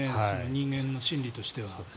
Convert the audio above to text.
人間の心理としては。